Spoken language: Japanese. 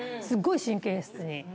すっごい神経質に。